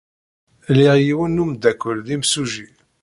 Liɣ yiwen n umeddakel d imsujji.